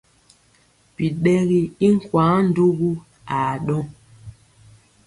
Biɗɛgi i nkwaŋ ndugu aa ɗɔŋ.